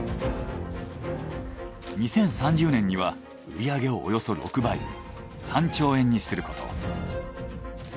２０３０年には売上をおよそ６倍３兆円にすること。